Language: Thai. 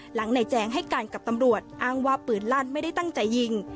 หลังนายแจงให้การกับตำรวจอ้างว่าปืนลั่นไม่ได้ตั้งใจยิง